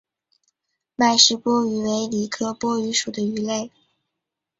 麦氏波鱼为鲤科波鱼属的鱼类。